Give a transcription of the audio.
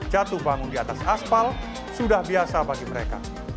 jatuh bangun di atas aspal sudah biasa bagi mereka